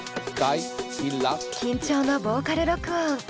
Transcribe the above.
緊張のボーカル録音。